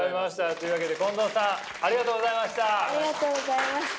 というわけで近藤さんありがとうございました。